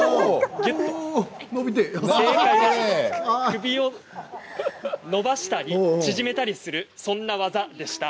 首を伸ばしたり縮めたりする、そんな技でした。